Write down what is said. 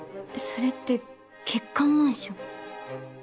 それって欠陥マンション。